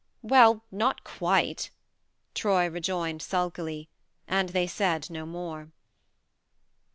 "Well not quite" Troy rejoined sulkily ; and they said no more.